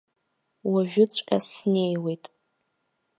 Уажәыҵәҟьа снеиуеит.